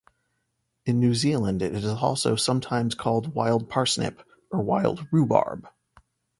In New Zealand, it is also sometimes called wild parsnip, or wild rhubarb.